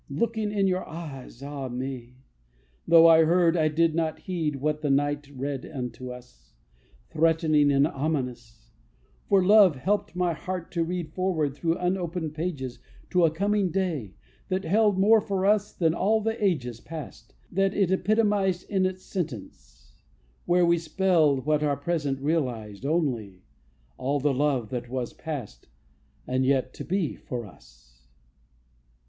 Looking in your eyes, ah me! Though I heard, I did not heed What the night read unto us, Threatening and ominous: For love helped my heart to read Forward through unopened pages To a coming day, that held More for us than all the ages Past, that it epitomized In its sentence; where we spelled What our present realized Only all the love that was Past and yet to be for us.